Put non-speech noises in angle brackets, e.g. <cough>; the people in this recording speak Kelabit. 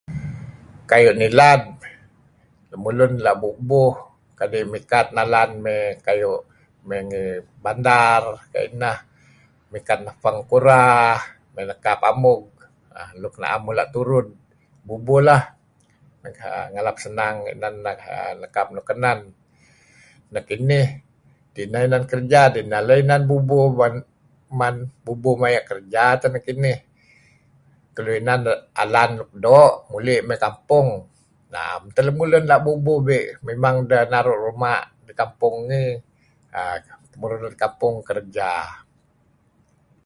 Kayu' nilad, lemulun la' bubuh kadi' mikat nalan mey kayu' mey ngi bandar kayu' ineh, mikat nebpeng kura, mey nekap amug nuk 'am mula' turud, bubuh lah ngalap senang inan nekap luk kenen, Nekinih ineh inan kerja ineh lah inan bubuh men, bubuh maya' kerja teh nekinih. Tulu inan alan luk doo' muli' mey kampung, na'am teh lemulun la' bubuh be' memang ideh naru' ruma' ngi kampung ngih <unintelligible> kampung kerja .